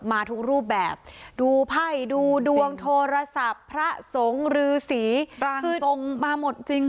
มาทุกรูปแบบดูไพ่ดูดวงโทรศัพท์พระสงฆ์รือสีส่งมาหมดจริง